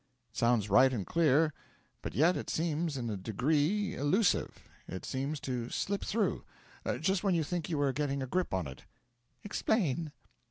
'It sounds right and clear, but yet it seems in a degree elusive; it seems to slip through, just when you think you are getting a grip on it.' 'Explain.'